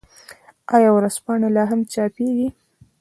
آیا ورځپاڼې لا هم چاپيږي؟